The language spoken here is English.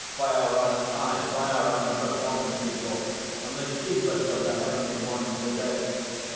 Bhairon am I Bhairon of the Common People, and the chiefest of the Heavenly Ones to day.